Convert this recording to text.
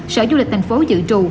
sở du lịch thành phố dự trù